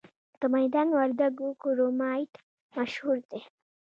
د میدان وردګو کرومایټ مشهور دی؟